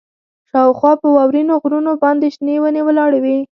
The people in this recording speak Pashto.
شاوخوا په واورینو غرونو باندې شنې ونې ولاړې وې